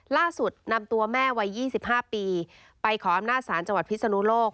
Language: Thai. ล่าสุดนำตัวแม่วัย๒๕ปีไปขออำนาจสารจพิษณุโลก